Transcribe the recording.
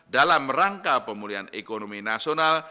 dalam rangka pemulihan ekonomi nasional